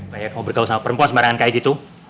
banyak yang bercanda sama perempuan sembarangan kayak gitu